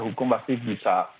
hukum pasti bisa